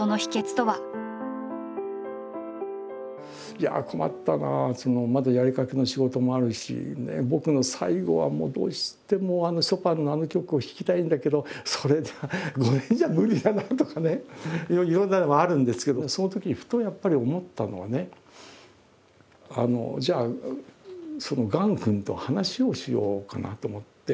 いやあ困ったなあまだやりかけの仕事もあるし僕の最後はもうどうしてもショパンのあの曲を弾きたいんだけどそれでは５年じゃ無理だなとかねいろんなのはあるんですけどそのときふとやっぱり思ったのはねじゃあそのがん君と話をしようかなと思って。